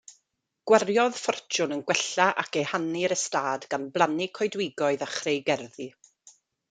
Gwariodd ffortiwn yn gwella ac ehangu'r ystâd gan blannu coedwigoedd a chreu gerddi.